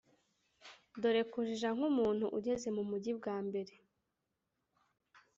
dore kujija nkumuntu ugeze mumugi bwambere!